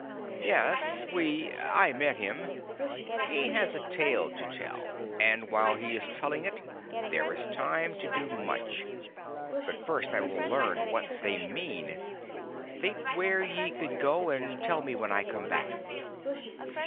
"Yes we I met him. He has a tale to tell; and while he is telling it there is time to do much. But first I will learn what they mean. Think where ye would go, and tell me when I come back."